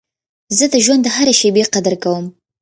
زه د ژوند د هري شېبې قدر کوم.